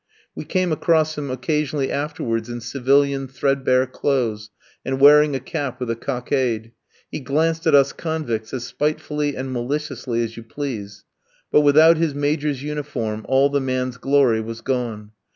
We came across him occasionally afterwards in civilian, threadbare clothes, and wearing a cap with a cockade; he glanced at us convicts as spitefully and maliciously as you please. But without his Major's uniform, all the man's glory was gone.